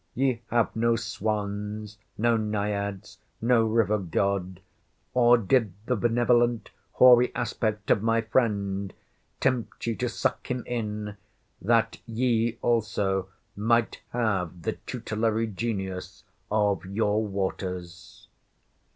—Ye have no swans—no Naiads—no river God—or did the benevolent hoary aspect of my friend tempt ye to suck him in, that ye also might have the tutelary genius of your waters?